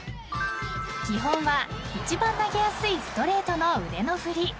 ［基本は一番投げやすいストレートの腕の振り］